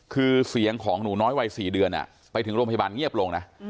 คือเสียงของหนูน้อยวัย๔เดือนไปถึงโรงพยาบาลเงียบลงนะ